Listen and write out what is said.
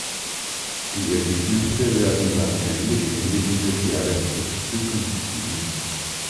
Die Ergebnisse werden wahrscheinlich Ende dieses Jahres zur Verfügung stehen.